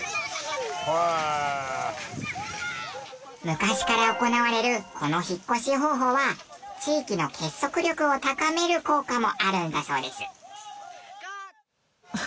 昔から行われるこの引っ越し方法は地域の結束力を高める効果もあるんだそうです。